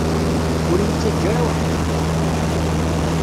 Ur iyi-ttaǧǧa ara weḥd-i!